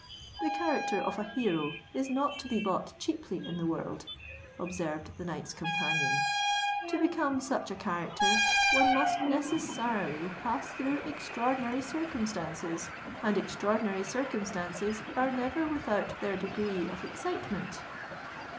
"The character of a hero is not to be bought cheaply in the world," observed the knight's companion. "To become such a character, one must necessarily pass through extraordinary circumstances; and extraordinary circumstances are never without their degree of excitement."